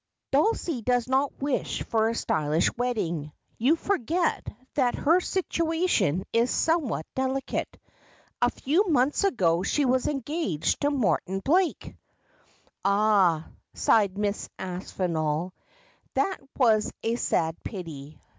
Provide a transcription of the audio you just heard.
' Dulcie does not wish for a stylish wedding. You forget that her situation is somewhat delicate. A few months ago she was engaged to Morton Blake.' 'Ah,' sighed Mrs. Aspinall, 'that was a sad pity.